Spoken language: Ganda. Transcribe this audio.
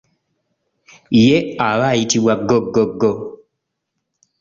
Ye aba ayitibwa ggoggoggo.